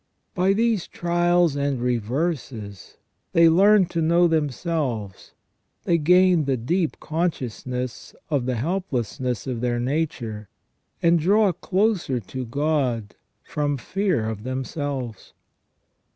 By these trials and reverses they learn to know themselves, they gain the deep consciousness of the helplessness of their nature, and draw closer to God from fear of themselves.